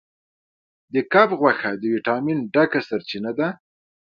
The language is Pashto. د کب غوښه د ویټامین ډکه سرچینه ده.